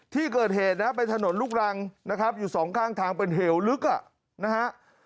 ที่เกิดเหตุนะเป็นถนนลูกรังนะครับอยู่สองข้างทางเป็นเหวลึกอ่ะนะฮะ